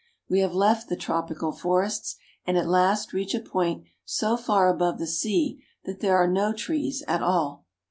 We have left the tropical forests, and at last reach a point so far above the sea that there are no trees at all.